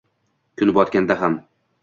Kun botganda ham